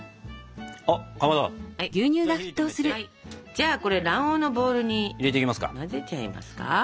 じゃあこれ卵黄のボウルに混ぜちゃいますか。